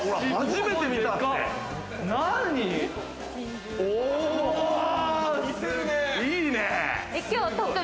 初めて見たって。